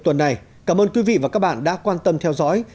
tuần này cảm ơn quý vị và các bạn đã quan tâm theo dõi